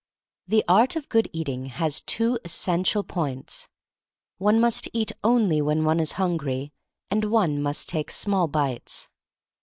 The art of Good Eating has two essential points: one must eat only when one is hungry, and one must take small bites.